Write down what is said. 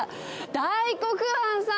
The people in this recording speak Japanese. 大黒庵さん。